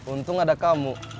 untung ada kamu